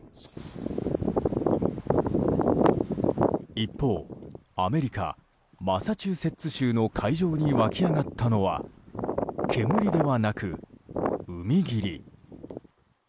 一方、アメリカマサチューセッツ州の海上に湧き上がったのは煙ではなく海霧。